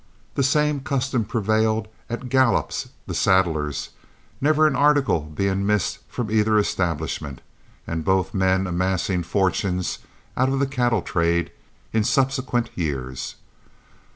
The same custom prevailed at Gallup the saddler's, never an article being missed from either establishment, and both men amassing fortunes out of the cattle trade in subsequent years.